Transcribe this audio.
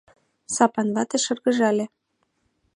Сапан вате шыргыжале.